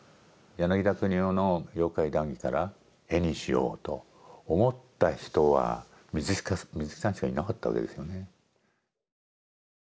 柳田國男の「妖怪談義」から絵にしようと思った人は水木さんしかいなかったわけですよね。